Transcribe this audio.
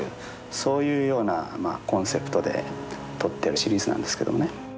そういうようなコンセプトで撮ってるシリーズなんですけどもね。